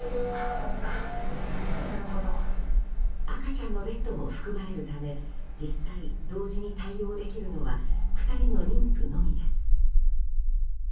赤ちゃんのベッドも含まれるため実際、同時に対応できるのは２人の妊婦のみです。